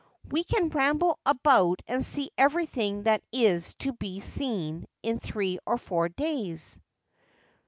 ' We can ramble about and see everything that is to be seen in three or four days.'